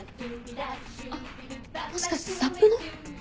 あっもしかしてサップの？